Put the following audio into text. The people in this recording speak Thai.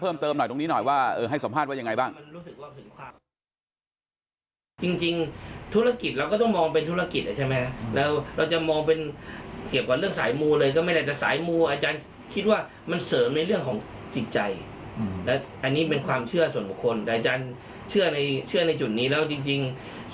เติมหน่อยตรงนี้หน่อยว่าให้สัมภาษณ์ว่ายังไงบ้าง